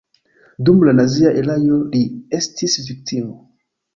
Dum la nazia erao li estis viktimo.